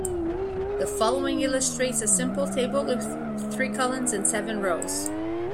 The following illustrates a simple table with three columns and seven rows.